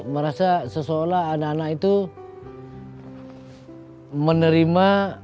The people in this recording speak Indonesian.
merasa seolah olah anak anak itu menerima kesalahan saya itu